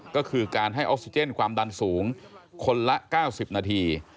ก็คือการให้ออกซิเจนความดันสูงคนละ๙๐นาที